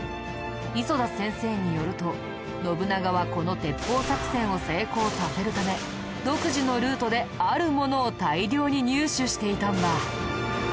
磯田先生によると信長はこの鉄砲作戦を成功させるため独自のルートであるものを大量に入手していたんだ。